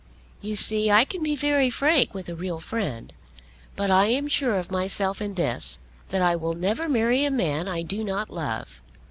"You see I can be very frank with a real friend. But I am sure of myself in this, that I will never marry a man I do not love.